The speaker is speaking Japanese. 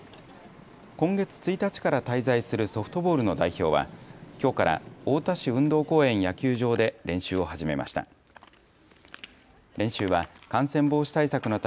今月１日から滞在するソフトボールの代表はきょうから太田市運動公園野球場で練習を始めました。